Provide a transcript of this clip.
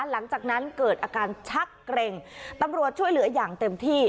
หลังจากนั้นเกิดอาการชักเกร็งตำรวจช่วยเหลืออย่างเต็มที่